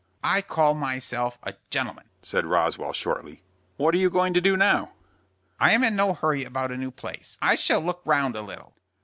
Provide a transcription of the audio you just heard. "I call myself a gentleman," said Roswell, shortly. "What are you going to do now?" "I'm in no hurry about a new place. I shall look round a little."